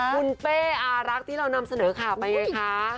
คุณเป้อารักษ์ที่เรานำเสนอข่าวไปไงคะ